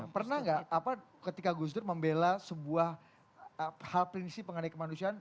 pernah nggak ketika gus dur membela sebuah hal prinsip mengenai kemanusiaan